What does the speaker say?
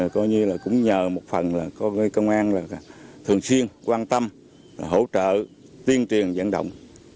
coi như là cũng nhờ một phần là công an thường xuyên quan tâm hỗ trợ tuyên truyền vận động